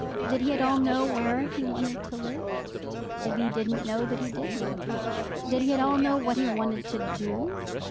Did he at all know where he wanted to live? Tibby didn't know that he did know. Did he at all know what he wanted to do?